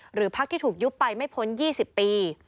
พักที่ถูกยุบไปไม่พ้น๒๐ปี